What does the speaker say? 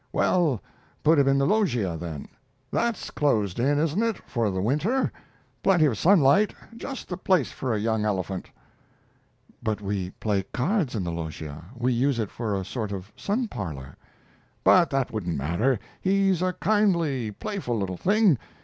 "Well, put him in the loggia, then. That's closed in, isn't it, for the winter? Plenty of sunlight just the place for a young elephant." "But we play cards in the loggia. We use it for a sort of sun parlor." "But that wouldn't matter. He's a kindly, playful little thing.